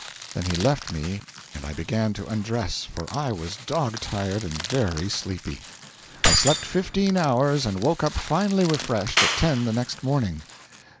Then he left me and I began to undress, for I was dog tired and very sleepy. I slept fifteen hours and woke up finely refreshed at ten the next morning.